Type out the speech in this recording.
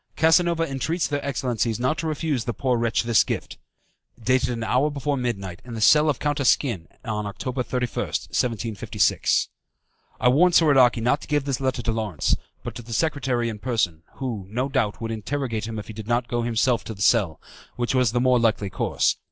Casanova entreats their excellencies not to refuse the poor wretch this gift. Dated an hour before midnight, in the cell of Count Asquin, on October 31st, 1756." I warned Soradaci not to give this letter to Lawrence, but to the secretary in person, who, no doubt, would interrogate him if he did not go himself to the cell, which was the more likely course.